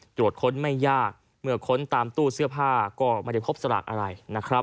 ตรวจค้นไม่ยากเมื่อค้นตามตู้เสื้อผ้าก็ไม่ได้พบสลากอะไร